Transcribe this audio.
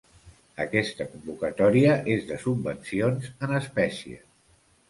Aquesta convocatòria és de subvencions en espècie.